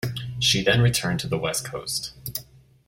She then returned to the west coast.